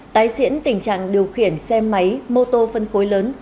tái diễn tình trạng điều khiển xe máy mô tô phân khối lớn